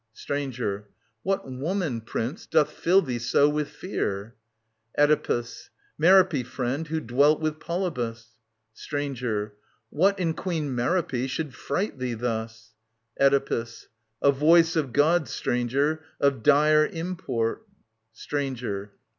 Stranger. What woman, Prince, doth fill thee so with fear ? Oedipus. Merop^, friend, who dwelt with Polybus. Stranger. What in Queen Merop^ should fright thee thus ? Oedipus. A voice of God, stranger, of dire import. Stranger.